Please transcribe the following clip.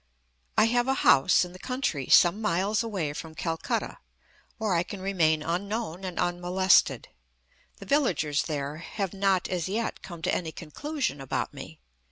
I have a house in the country some miles away from Calcutta, where I can remain unknown and unmolested. The villagers there have not, as yet, come to any conclusion about me.